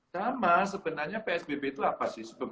sama sebenarnya psbb itu apa sih